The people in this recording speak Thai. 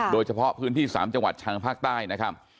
โดยเฉพาะพื้นที่๓จังหวัดทางภาคใต้นะครับ